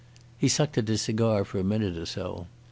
He sucked at his cigar for a minute or so.